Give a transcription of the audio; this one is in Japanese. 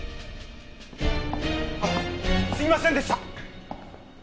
あっすいませんでした！